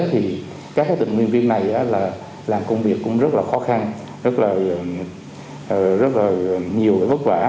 thì các tình nguyện viên này là làm công việc cũng rất là khó khăn rất là nhiều vất vả